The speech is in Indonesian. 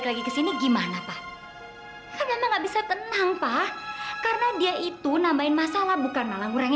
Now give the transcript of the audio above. jangan sampai mama akan marah